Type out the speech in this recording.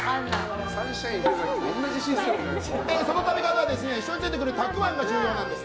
その食べ方は一緒についてくるたくわんが重要なんです。